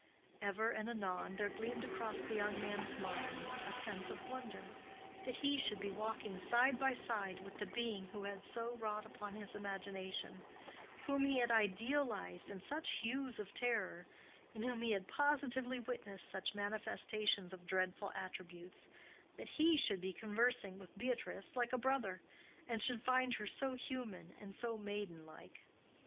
Ever and anon there gleamed across the young man's mind a sense of wonder that he should be walking side by side with the being who had so wrought upon his imagination, whom he had idealized in such hues of terror, in whom he had positively witnessed such manifestations of dreadful attributes,—that he should be conversing with Beatrice like a brother, and should find her so human and so maidenlike.